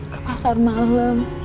ke pasar malem